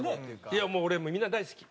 いやもうみんな大好き。